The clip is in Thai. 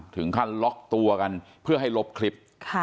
ถึงขั้นล็อกตัวกันเพื่อให้ลบคลิป